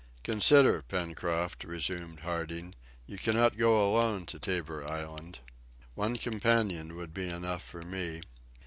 "Consider, Pencroft," resumed Harding, "you cannot go alone to Tabor Island." "One companion will be enough for me."